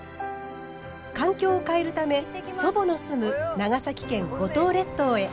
環境を変えるため祖母の住む長崎県五島列島へ。